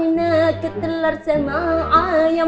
ada anak telur sama ayam